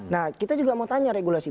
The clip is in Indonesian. nah kita juga mau tanya regulasi